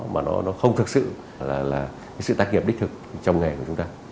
mà nó không thực sự là sự tác nghiệp đích thực trong nghề của chúng ta